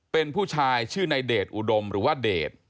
เป็นผู้ชายชื่อในเดชอุดมหรือว่าเดช